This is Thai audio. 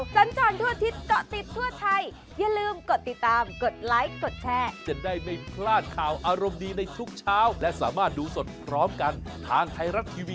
โปรดติดตามตอนต่อไป